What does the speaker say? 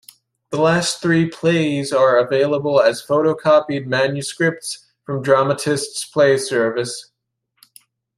The last three plays are available as photocopied manuscripts from Dramatists Play Service.